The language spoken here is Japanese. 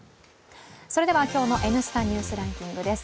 それでは今日の「Ｎスタ・ニュースランキング」です。